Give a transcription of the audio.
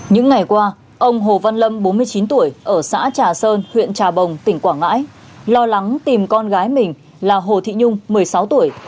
những ngày qua ông hồ văn lâm bốn mươi chín tuổi ở xã trà sơn huyện trà bồng tỉnh quảng ngãi lo lắng tìm con gái mình là hồ thị nhung một mươi sáu tuổi